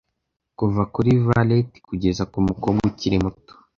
kuva kuri valet kugeza kumukobwa ukiri muto